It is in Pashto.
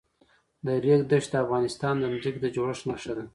د ریګ دښتې د افغانستان د ځمکې د جوړښت نښه ده.